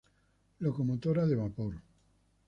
Locomotora de vapor